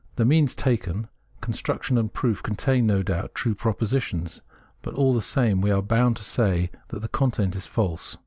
The means taken, construction and proof, contain, no doubt, true propositions ; but all the same we are bound to say that the content is false.